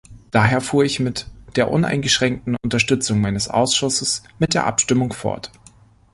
Daher fuhr ich mit der uneingeschränkten Unterstützung meines Ausschusses mit der Abstimmung fort.